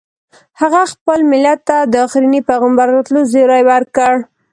هغه خپل ملت ته د اخرني پیغمبر راتلو زیری ورکړ.